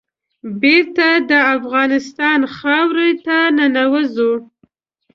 بېرته د افغانستان خاورې ته ننوزو.